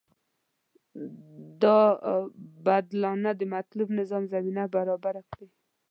دا بدلانه د مطلوب نظام زمینه برابره کړي.